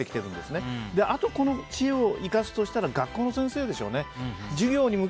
この知恵を生かすとしたら学校の先生でしょうね。